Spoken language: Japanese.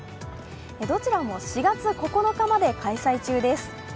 どちらも４月９日まで開催中です。